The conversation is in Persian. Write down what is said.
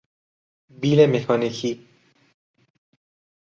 بیل مکانیکی